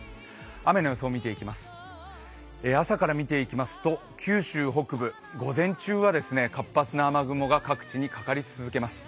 雨の予想見ていきます、朝からみていきますと九州北部、午前中は活発な雨雲が各地にかかり続けます。